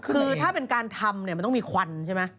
คือถ้าเป็นการทำเนี่ยมันต้องมีควันใช่ไหม